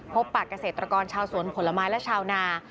พบปากเกษตรกรชาวสวนผลไม้และชาวนา